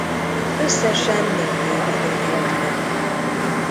Összesen négy évadot élt meg.